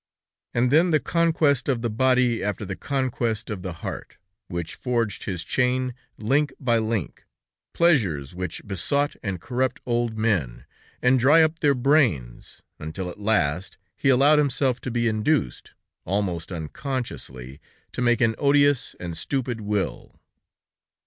And then, the conquest of the body after the conquest of the heart, which forged his chain link by link, pleasures which besot and corrupt old men, and dry up their brains, until at last he allowed himself to be induced, almost unconsciously, to make an odious and stupid will.